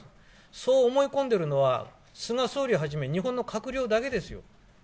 そう思い込んでるのは、菅総理はじめ日本の閣僚だけですよ。